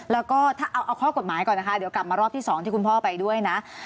แล้วก็ถ้าเอาข้อกฎหมายก่อนนะคะเดี๋ยวกลับมารอบที่๒ที่คุณพ่อไปด้วยนะ